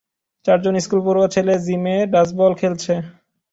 চারজন স্কুল পড়ুয়া ছেলে জিমে ডাজবল খেলছে